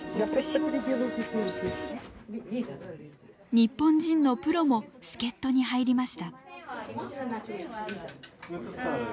日本人のプロも助っ人に入りました。